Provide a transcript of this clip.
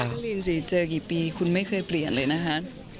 คุณชักที่เรียนสิเจอกี่ปีคุณไม่เคยเปลี่ยนเลยนะฮะ